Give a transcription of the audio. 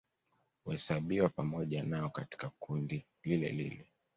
Huhesabiwa pamoja nao katika kundi lilelile